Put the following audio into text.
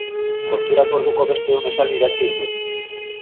Konturatu orduko beste ehun esaldi idatzi ditut.